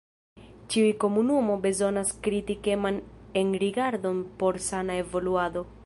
Ĉiu komunumo bezonas kritikeman enrigardon por sana evoluado.